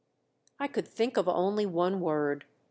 I could think of only one word.